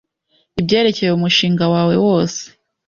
ibyerekeye umushinga wawe wose